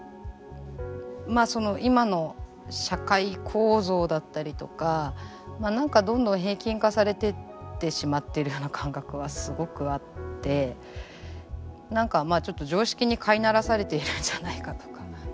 まあその今の社会構造だったりとか何かどんどん平均化されてってしまってるような感覚はすごくあって何かまあちょっと常識に飼いならされているんじゃないかとか。